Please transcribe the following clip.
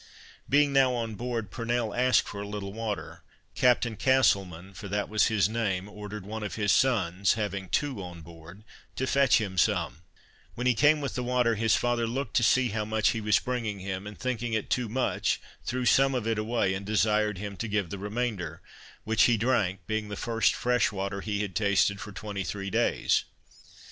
Being now on board, Purnell asked for a little water, Captain Castleman (for that was his name) ordered one of his sons, (having two on board) to fetch him some; when he came with the water, his father looked to see how much he was bringing him, and thinking it too much, threw some of it away, and desired him to give the remainder, which he drank being the first fresh water he had tasted for 23 days.